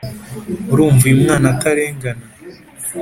urumva uyu mwana atarengana